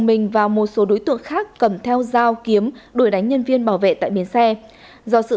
mình và một số đối tượng khác cầm theo dao kiếm đuổi đánh nhân viên bảo vệ tại bến xe do sự